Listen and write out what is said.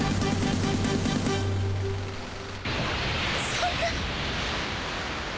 そんな！